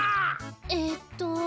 えっと。